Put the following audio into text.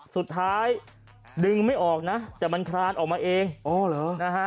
สุดท้ายดึงไม่ออกนะแต่มันคลานออกมาเองอ๋อเหรอนะฮะ